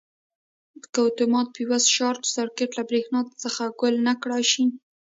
که اتومات فیوز شارټ سرکټ له برېښنا څخه ګل نه کړای شي.